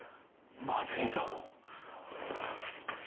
まずいぞ。